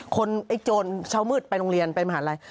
ไอ้โจรเช้ามืดไปโรงเรียนไปมหาลัย